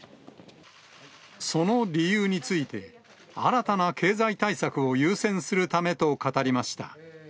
その理由について、新たな経済対策を優先するためと語りました。